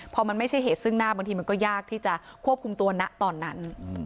พอมันไม่ใช่เหตุซึ่งหน้าบางทีมันก็ยากที่จะควบคุมตัวนะตอนนั้น